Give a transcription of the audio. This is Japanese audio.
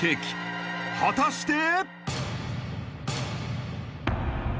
［果たして］